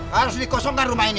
harus dikosongkan rumah ini